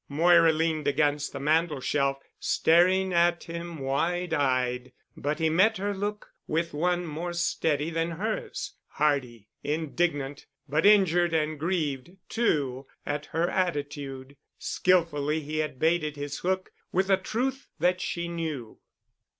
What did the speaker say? Moira leaned against the mantel shelf, staring at him wide eyed, but he met her look with one more steady than hers, hardy, indignant, but injured and grieved too at her attitude. Skillfully he had baited his hook with a truth that she knew.